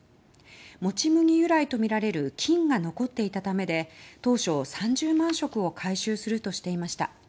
もち麦由来とみられる菌が残っていたためで当初、３０万食を回収するとしていました。